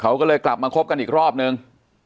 เขาก็เลยกลับมาคบกันอีกรอบนึง